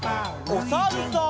おさるさん。